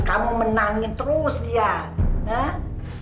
kamu menangin terus nek